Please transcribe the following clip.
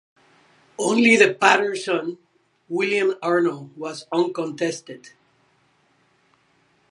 Only The Paterson (William Arnold) was uncontested.